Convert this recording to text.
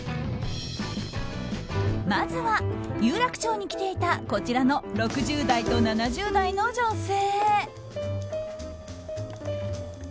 まずは、有楽町に来ていたこちらの６０代と７０代の女性。